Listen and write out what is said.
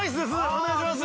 お願いします！